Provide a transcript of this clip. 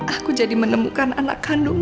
aku jadi menemukan anak kandung